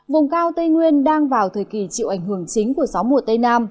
vùng cao tây nguyên đang vào thời kỳ chịu ảnh hưởng chính của gió mùa tây nam